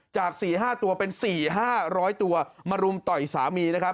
จาก๔๕ตัวเป็น๔๕๐๐ตัวมารุมต่อยสามีนะครับ